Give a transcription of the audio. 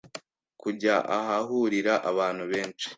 kujya ahahurira abantu benshi